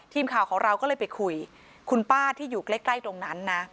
ทีมข่าวของเราก็เลยไปคุยคุณป้าที่อยู่ใกล้ตรงนั้นนะ